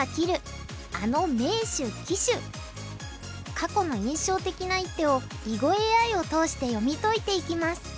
過去の印象的な一手を囲碁ＡＩを通して読み解いていきます。